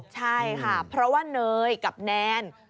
ใช่ค่ะเพราะว่าเนยกับแนน